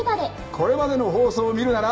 これまでの放送を見るなら。